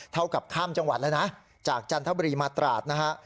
เท่ากับข้ามจังหวัดแล้วนะจากจันทบุรีมาตราดนะฮะ